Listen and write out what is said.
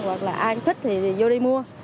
hoặc là ai thích thì vô đi mua